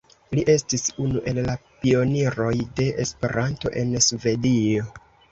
Li estis unu el la pioniroj de Esperanto en Svedio.